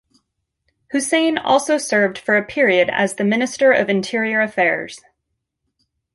Hussein also served for a period as the Minister of Interior Affairs.